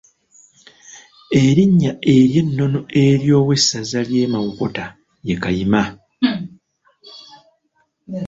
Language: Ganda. Erinnya ery’ennono ery’owessaza ly’e Mawokota ye Kayima.